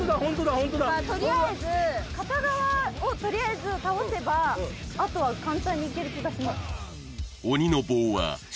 とりあえず片側をとりあえず倒せばあとは簡単にいける気がします